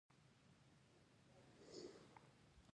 دې ته يې وويل نه ښايسته يې او نه شخصيت لرې